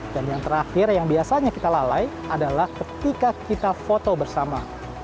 dan yang terakhir yang biasanya kita lalai adalah ketika kita foto bersama